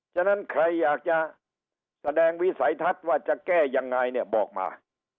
ฉะนั้นใครอยากจะแสดงวิสัยทัศน์ว่าจะแก้ยังไงเนี่ยบอกมา